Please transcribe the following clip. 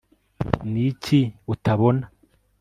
niki utabona